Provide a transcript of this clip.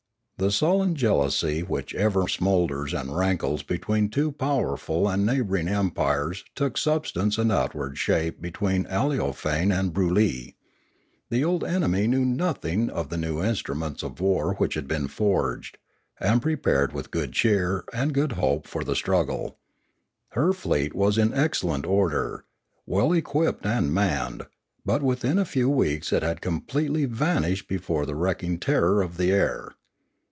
The sullen jealousy which ever smoulders and rankles between two powerful and neighbouring empires took substance and outward shape between Aleofane and Broolyi. The old enemy knew nothing of the new in struments of war which had been forged, and prepared with cheer and good hope for the struggle. Her fleet was in excellent order, well equipped and manned, but within a few weeks it had completely vanished before the wrecking terror of the air.